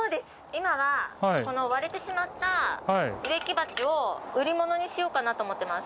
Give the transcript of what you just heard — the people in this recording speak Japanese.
今はこの割れてしまった植木鉢を売り物にしようかなと思ってます。